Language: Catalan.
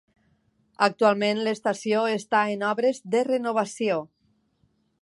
Actualment l'estació està en obres de renovació.